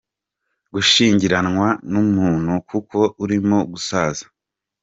Gushingiranwa n’ umuntu kuko urimo gusaza.